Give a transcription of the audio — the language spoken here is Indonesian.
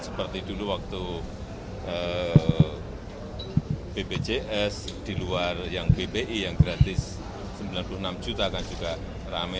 seperti dulu waktu bpjs di luar yang bpi yang gratis sembilan puluh enam juta kan juga rame